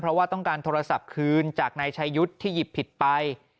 เพราะว่าต้องการโทรศัพท์คืนจากนายชายุทธ์ที่หยิบผิดไป